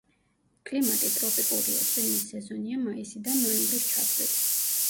კლიმატი ტროპიკულია, წვიმის სეზონია მაისიდან ნოემბრის ჩათვლით.